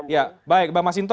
ya selamat malam